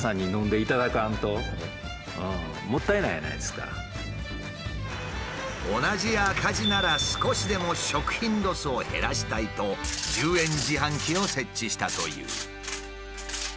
これは皆さんに同じ赤字なら少しでも食品ロスを減らしたいと１０円自販機を設置したという。